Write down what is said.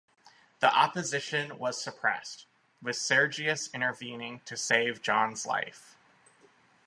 The opposition was suppressed, with Sergius intervening to save John's life.